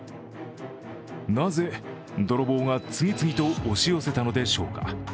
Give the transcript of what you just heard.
なぜ泥棒が次々と押し寄せたのでしょうか。